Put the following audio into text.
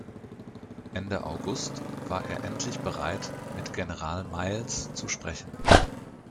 Ende August war er endlich bereit, mit General Miles zu sprechen.